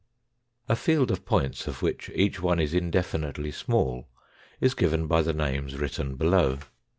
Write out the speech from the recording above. A field of points of which each one is indefinitely small is given by the names written below.